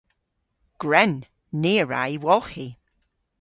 Gwren! Ni a wra y wolghi.